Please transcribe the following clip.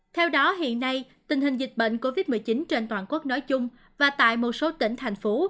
theo đó hiện nay tình hình dịch bệnh covid một mươi chín trên toàn quốc nói chung và tại một số tỉnh thành phố